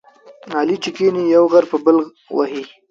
علي چې کېني، یو غر په بل وهي.